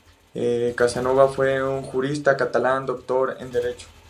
Casanova fue un jurista catalán, doctor en derecho.